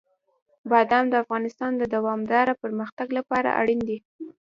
بادام د افغانستان د دوامداره پرمختګ لپاره اړین دي.